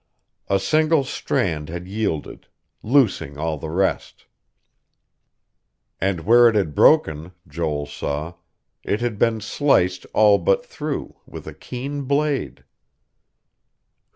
A single strand had yielded, loosing all the rest. And where it had broken, Joel saw, it had been sliced all but through, with a keen blade.